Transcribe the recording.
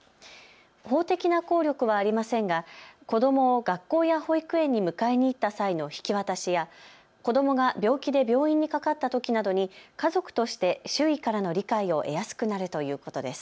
法的な効力はありませんが子どもを学校や保育園に迎えに行った際の引き渡しや子どもが病気で病院にかかったときなどに家族として周囲からの理解を得やすくなるということです。